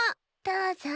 どうぞ。